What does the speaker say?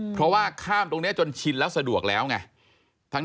เพราะว่าข้ามตรงนี้จนชินแล้วสะดวกแล้วไง